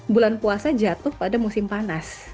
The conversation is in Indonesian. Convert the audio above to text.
bulan puasa jatuh pada musim panas